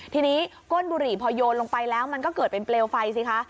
ทีนี้ก้นบุหรี่พอโยนลงไปแล้วมันก็เกิดเป็นเปลวไฟสิคะ